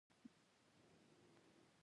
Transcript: غرمه د ذهن د بندېدو شیبه ده